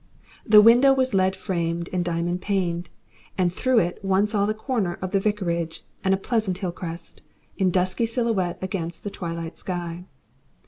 The window was lead framed and diamond paned, and through it one saw the corner of the vicarage and a pleasant hill crest, in dusky silhouette against the twilight sky.